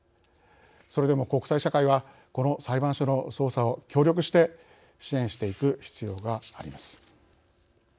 それでも国際社会はこの裁判所の捜査を協力して支援していく必要があります。